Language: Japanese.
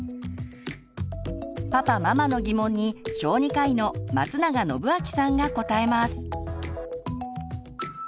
パパママの疑問に小児科医の松永展明さんが答えます。